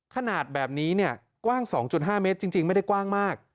ขนาดแบบนี้เนี่ยกว้าง๒๕เมตรจริงไม่ได้กว้างมาก